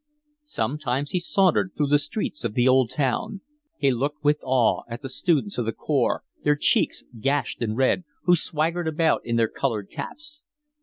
Sometimes he sauntered through the streets of the old town. He looked with awe at the students of the corps, their cheeks gashed and red, who swaggered about in their coloured caps.